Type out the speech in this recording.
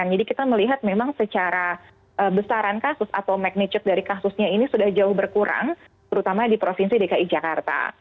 jadi kita melihat memang secara besaran kasus atau magnitude dari kasusnya ini sudah jauh berkurang terutama di provinsi dki jakarta